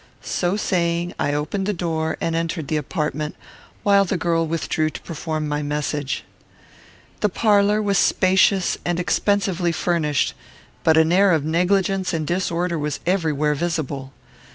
So saying, I opened the door, and entered the apartment, while the girl withdrew to perform my message. The parlour was spacious and expensively furnished, but an air of negligence and disorder was everywhere visible.